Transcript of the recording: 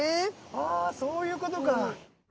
あそういうことか。